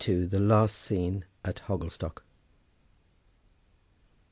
THE LAST SCENE AT HOGGLESTOCK.